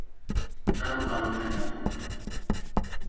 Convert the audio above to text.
Ew arode nebûn.